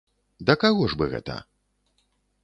Да каго ж бы гэта?